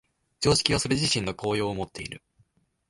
常識はそれ自身の効用をもっている。